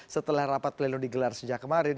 setelah rapat pleno digelar sejak kemarin